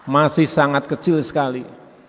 masih sangat kecil sekali